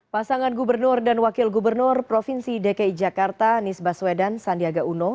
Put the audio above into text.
pasangan gubernur dan wakil gubernur provinsi dki jakarta anies baswedan sandiaga uno